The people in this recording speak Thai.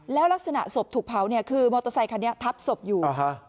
แล้วลักษณะศพถูกเผาเนี่ยคือมอเตอร์ไซคันนี้ทับศพอยู่